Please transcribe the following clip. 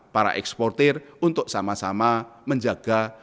para eksportir untuk sama sama menjaga